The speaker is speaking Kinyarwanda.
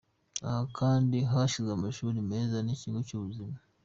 Aha kandi hashyizwe amashuri meza n'ikigo cy'ubuzima.